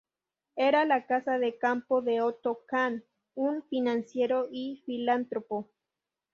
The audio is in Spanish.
Era la casa de campo de Otto Kahn, un financiero y filántropo.